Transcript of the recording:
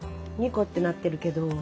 ２個ってなってるけど。